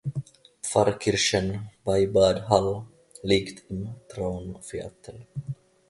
Pfarrkirchen bei Bad Hall liegt im Traunviertel.